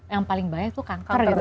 yang paling banyak tuh kanker ya